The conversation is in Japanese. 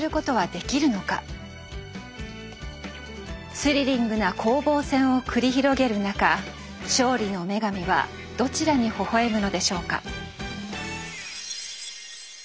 スリリングな攻防戦を繰り広げる中勝利の女神はどちらにほほ笑むのでしょうか。